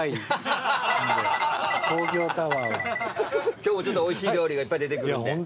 今日もおいしい料理がいっぱい出てくるので。